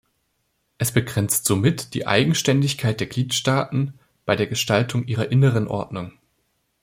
Es begrenzt somit die Eigenständigkeit der Gliedstaaten bei der Gestaltung ihrer inneren Ordnung.